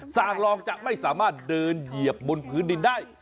สั่งลองจะไม่สามารถเดินเหยียบบนพื้นดินได้